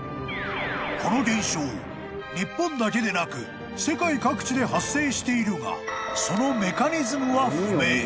［この現象日本だけでなく世界各地で発生しているがそのメカニズムは不明］